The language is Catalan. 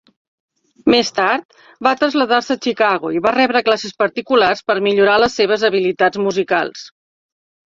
Més tard va traslladar-se a Chicago i va rebre classes particulars per millorar les seves habilitats musicals.